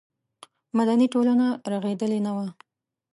مدني ټولنه رغېدلې نه وه.